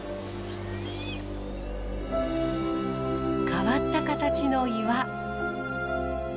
変わった形の岩。